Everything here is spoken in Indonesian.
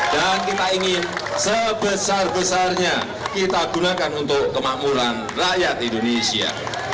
dan kita ingin sebesar besarnya kita gunakan untuk kemakmuran rakyat indonesia